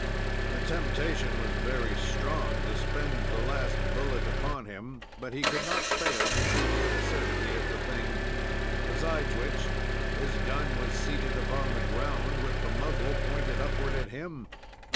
The temptation was very strong to spend the last bullet upon him, but he could not fail to see the absurdity of the thing; besides which, his gun was seated upon the ground, with the muzzle pointed upward at him.